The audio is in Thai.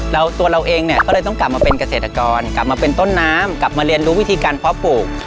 แล้วตัวเราเองเนี่ยก็เลยต้องกลับมาเป็นเกษตรกรกลับมาเป็นต้นน้ำกลับมาเรียนรู้วิธีการเพาะปลูก